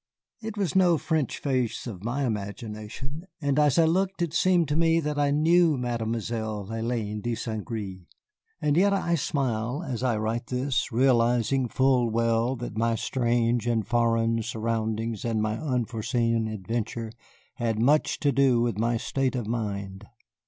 It was no French face of my imagination, and as I looked it seemed to me that I knew Mademoiselle Hélène de Saint Gré. And yet I smile as I write this, realizing full well that my strange and foreign surroundings and my unforeseen adventure had much to do with my state of mind.